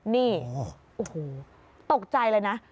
นี่โอ้โหตกใจเลยนะ